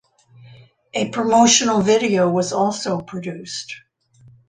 A promotional video was also produced.